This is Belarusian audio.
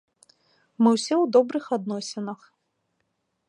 Мы ўсе ў добрых адносінах.